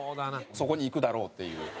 そこにいくだろうっていう。